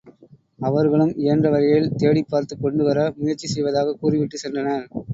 அவர்களும் இயன்ற வரையில் தேடிப் பார்த்துக் கொண்டுவர முயற்சி செய்வதாகக் கூறிவிட்டுச் சென்றனர்.